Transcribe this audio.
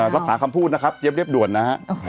รักษาคำพูดนะครับเจี๊ยเรียบด่วนนะฮะ